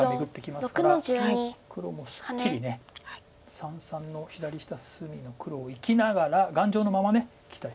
黒もすっきり三々の左下隅の黒を生きながら頑丈のままいきたい。